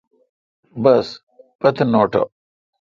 بس پت نوٹہ۔